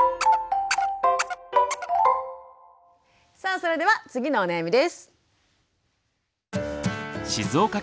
さあそれでは次のお悩みです。